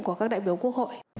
của các đại biểu quốc hội